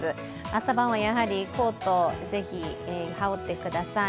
朝晩は、やはりコート、ぜひ羽織ってください。